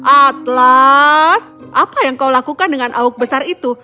atlas apa yang kau lakukan dengan auk besar itu